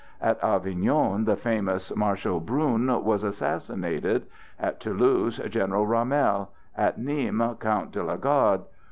At Avignon the famous Marshal Brune was assassinated; at Toulouse, General Ramel; at Nîmes, Count de la Garde.